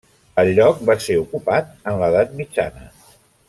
El lloc va ser ocupat en l'edat mitjana.